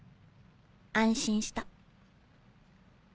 安心した。